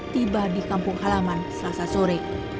tiba di kampung halaman selasa sore